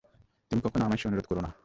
তুমি কখনো আমায় সে অনুরোধ করো না।